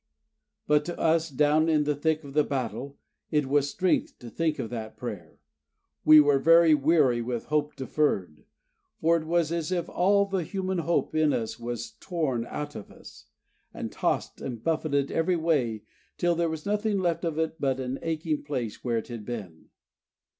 But to us down in the thick of the battle, it was strength to think of that prayer. We were very weary with hope deferred; for it was as if all the human hope in us were torn out of us, and tossed and buffeted every way till there was nothing left of it but an aching place where it had been.